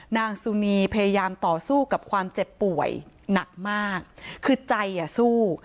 นางสุนีพยายามต่อสู้กับความเจ็บป่วยหนักมากคือใจอ่ะสู้